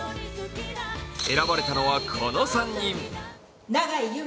選ばれたのはこの３人。